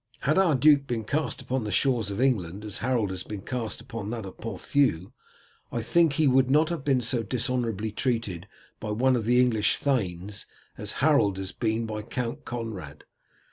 Had our duke been cast upon the shores of England as Harold has been cast upon that of Ponthieu, I think that he would not have been so dishonourably treated by one of the English thanes as Harold has been by Count Conrad.